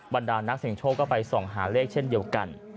บรรดานักเสียงโชคก็ไปส่องหาเลขเช่นเดียวกัน